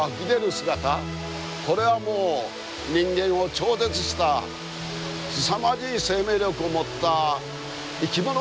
姿これはもう人間を超絶したすさまじい生命力を持った生き物であるという見方ですね。